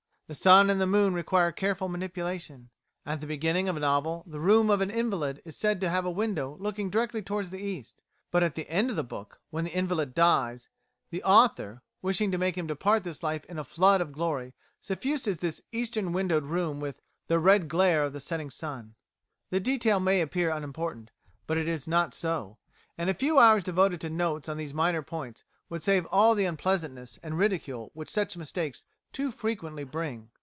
The sun and the moon require careful manipulation. At the beginning of a novel, the room of an invalid is said to have a window looking directly towards the east; but at the end of the book when the invalid dies, the author, wishing to make him depart this life in a flood of glory, suffuses this eastern windowed room with "the red glare of the setting sun." The detail may appear unimportant, but it is not so, and a few hours devoted to notes on these minor points would save all the unpleasantness and ridicule which such mistakes too frequently bring.